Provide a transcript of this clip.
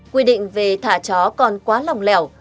quy định về thả chó còn quá lòng lẻo